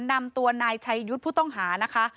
นำตัวนายชัยยุทธ์ผู้ต้องหานะคะ